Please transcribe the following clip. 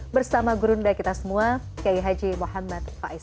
bersama gurunda kita semua kiai haji muhammad faiz